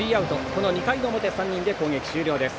この２回の表３人で攻撃終了です。